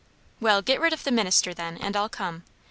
"Well, get rid of the minister then, and I'll come.